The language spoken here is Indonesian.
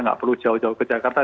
nggak perlu jauh jauh ke jakarta